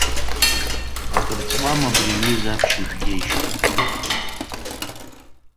Акыр ҵуама абри аҩыза аԥшьыжәгеижьҭеи?